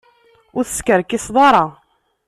Ur teskerkiseḍ ara.